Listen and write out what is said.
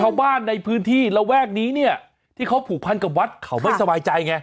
ชาวบ้านในพื้นที่ระแวกนี้เนี่ยที่เขาผูกพันกับวัดเขาไม่สบายใจไง